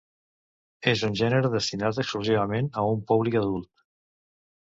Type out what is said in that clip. És un gènere destinat exclusivament a un públic adult.